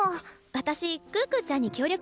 私可可ちゃんに協力するよ。